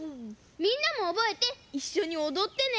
みんなもおぼえていっしょにおどってね！